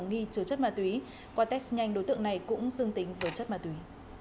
nghi chứa chất ma túy qua test nhanh đối tượng này cũng dương tính với chất ma túy